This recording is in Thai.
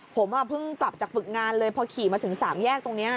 ผมเพิ่งกลับจากปึกงานเลยพอขี่มาถึงสามแยกตรงนี้